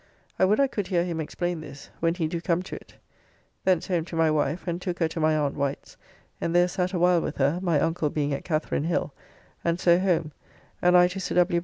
I would I could hear him explain this, when he do come to it. Thence home to my wife, and took her to my Aunt Wight's, and there sat a while with her (my uncle being at Katharine hill), and so home, and I to Sir W.